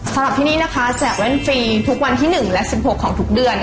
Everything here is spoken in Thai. สำหรับที่นี่นะคะแจกแว่นฟรีทุกวันที่๑และ๑๖ของทุกเดือน